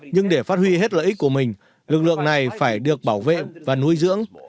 nhưng để phát huy hết lợi ích của mình lực lượng này phải được bảo vệ và nuôi dưỡng